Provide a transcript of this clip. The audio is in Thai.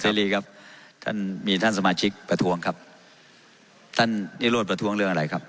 รีครับท่านมีท่านสมาชิกประท้วงครับท่านนิโรธประท้วงเรื่องอะไรครับ